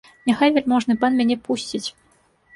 Няхай вяльможны пан мяне пусціць!